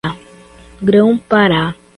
Grão-Pará